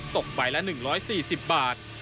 ตกใบละ๑๔๐บาท